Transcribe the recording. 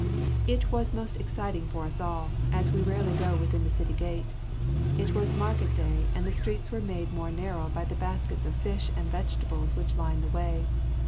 It was most exciting for us all, as we go rarely within the city gate. It was market day and the streets were made more narrow by the baskets of fish and vegetables which lined the way.